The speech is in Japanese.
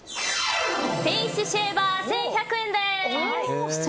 フェイスシェーバー、１１００円。